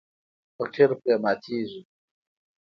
فقیر پرې ماتیږي.